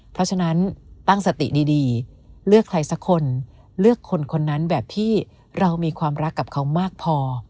เพราะฉะนั้นตั้งสติดีเลือกใครสักคนเลือกคนคนนั้นแบบที่เรามีความรักกับเขามากพอ